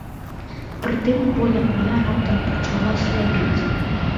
Прытым воля мая раптам пачала слабець.